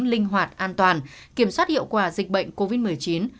linh hoạt an toàn kiểm soát hiệu quả dịch bệnh covid một mươi chín